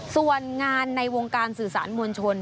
ส่วนงานในวงการสื่อสารมวลชน